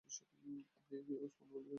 আপনি ওসমান গনিকে চেনেন, তাই না?